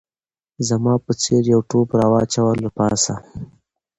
زما په څېر یو ټوپ راواچاوه له پاسه